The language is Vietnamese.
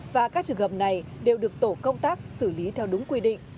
và các trường hợp này đều được tổ công tác xử lý theo đúng quy định